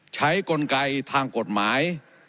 กลไกทางกฎหมาย